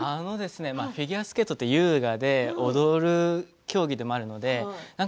フィギュアスケートって優雅で踊る競技でもあるので何か